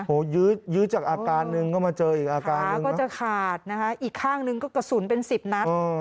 โอ้โหยื้อจากอาการหนึ่งก็มาเจออีกอาการขาก็จะขาดนะคะอีกข้างหนึ่งก็กระสุนเป็นสิบนัด